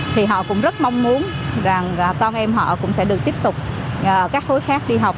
thì họ cũng rất mong muốn rằng con em họ cũng sẽ được tiếp tục các khối khác đi học